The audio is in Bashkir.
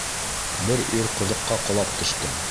Бер ир ҡоҙоҡҡа ҡолап төшкән.